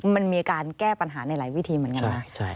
มันมีการแก้ปัญหาในหลายวิธีเหมือนกันนะ